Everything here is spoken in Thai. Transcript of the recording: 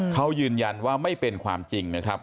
เขายืนยันว่าไม่เป็นความจริงนะครับ